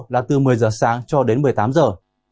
là từ một mươi giờ sáng cho đến một mươi tám giờ